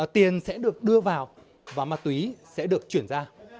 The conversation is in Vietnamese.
tiền sẽ được đưa vào và ma túy sẽ được chuyển ra